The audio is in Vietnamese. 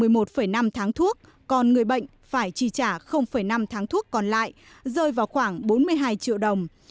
chỉ chi trả một mươi một năm tháng thuốc còn người bệnh phải chi trả năm tháng thuốc còn lại rơi vào khoảng bốn mươi hai triệu đồng